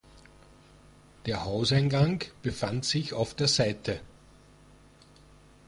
Der Hauseingang befand sich auf der Seite.